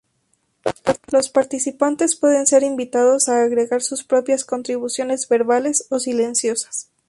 Los participantes pueden ser invitados a agregar sus propias contribuciones verbales o silenciosas.